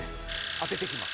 当てていきます。